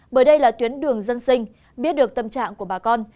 bởi đây là tuyến đường dân sinh biết được tâm trạng của bà con